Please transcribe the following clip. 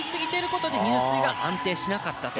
ことで入水が安定しなかったと。